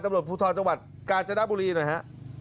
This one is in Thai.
ตำรวจภูทรจังหวัดกาญจนบุรีหน่อยฮะ